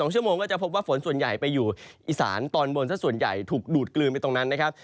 ๒ชั่วโมงก็จะพบว่าฝนส่วนใหญ่ไปอยู่อีสานตอนบนสักส่วนใหญ่ถูกดูดกลืนไปตรงนั้นนะครับ